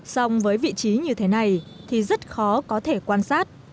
xong với vị trí như thế này thì rất khó có thể quan sát